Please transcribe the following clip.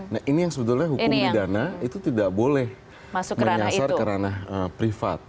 nah ini yang sebetulnya hukum pidana itu tidak boleh menyasar ke ranah privat